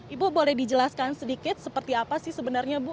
ibu boleh dijelaskan sedikit seperti apa sih sebenarnya bu